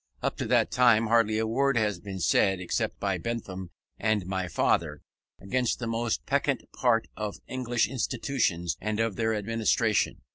Up to that time hardly a word had been said, except by Bentham and my father, against that most peccant part of English institutions and of their administration.